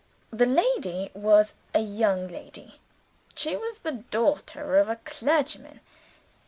The lady was a young lady. She was the daughter of a clergyman.